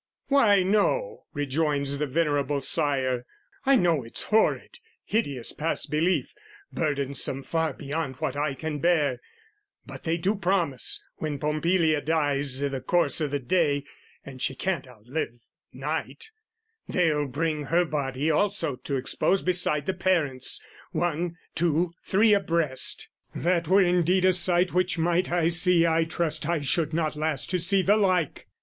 "Why no," rejoins the venerable sire, "I know it's horrid, hideous past belief, "Burdensome far beyond what eye can bear; "But they do promise, when Pompilia dies "I' the course o' the day, and she can't outlive night, "They'll bring her body also to expose "Beside the parents, one, two, three a breast; "That were indeed a sight which, might I see, "I trust I should not last to see the like!"